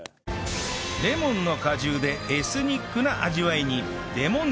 レモンの果汁でエスニックな味わいに